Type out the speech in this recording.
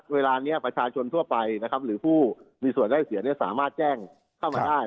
เวลานี้ประชาชนทั่วไปนะครับหรือผู้มีส่วนได้เสียสามารถแจ้งเข้ามาได้